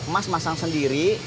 mas masang sendiri